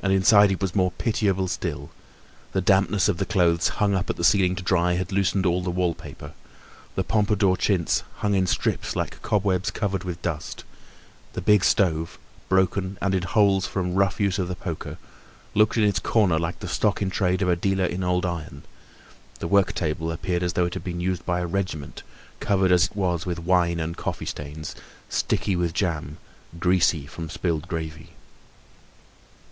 And inside it was more pitiable still; the dampness of the clothes hung up at the ceiling to dry had loosed all the wallpaper; the Pompadour chintz hung in strips like cobwebs covered with dust; the big stove, broken and in holes from the rough use of the poker, looked in its corner like the stock in trade of a dealer in old iron; the work table appeared as though it had been used by a regiment, covered as it was with wine and coffee stains, sticky with jam, greasy from spilled gravy.